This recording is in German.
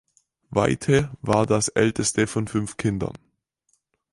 Waite war das älteste von fünf Kindern.